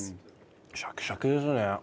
シャキシャキですね。